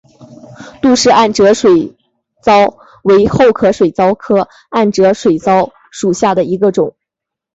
吐氏暗哲水蚤为厚壳水蚤科暗哲水蚤属下的一个种。